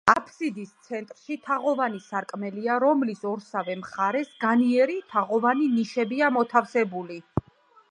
აბსიდის ცენტრში თაღოვანი სარკმელია, რომლის ორსავე მხარეს განიერი, თაღოვანი ნიშებია მოთავსებული.